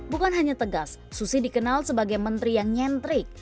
bukan hanya tegas susi dikenal sebagai menteri yang nyentrik